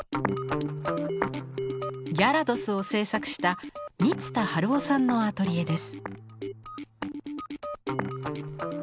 ギャラドスを制作した満田晴穂さんのアトリエです。